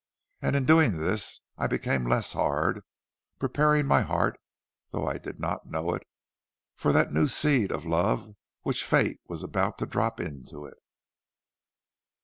And in doing this I became less hard, preparing my heart, though I did not know it, for that new seed of love which fate was about to drop into it.